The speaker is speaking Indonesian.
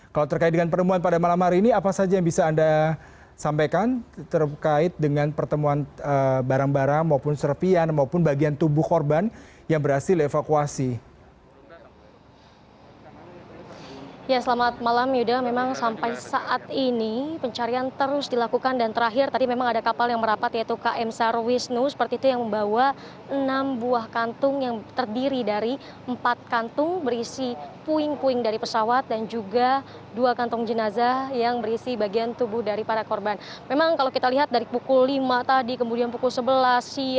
kalau terkait dengan pertemuan pada malam hari ini apa saja yang bisa anda sampaikan terkait dengan pertemuan barang barang maupun serpian maupun bagian tubuh korban yang berhasil evakuasi